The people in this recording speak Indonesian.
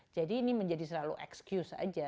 jadi ini menjadi selalu excuse aja